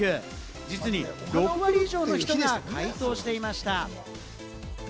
実に６割以上の人が回答していました。